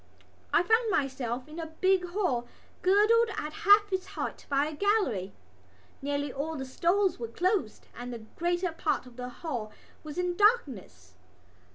I found myself in a big hall girdled at half its height by a gallery. Nearly all the stalls were closed and the greater part of the hall was in darkness.